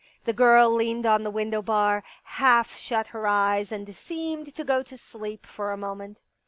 The girl leaned on the window bar, half shut her eyes and seemed to go to sleep for a moment.